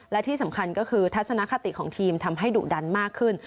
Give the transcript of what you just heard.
และที่สำคัญก็คือทัศนคติของทีมทำให้ดุดันมากขึ้น